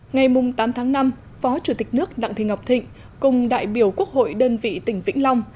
ngày tám tháng năm phó chủ tịch nước đặng thị ngọc thịnh cùng đại biểu quốc hội đơn vị tỉnh vĩnh long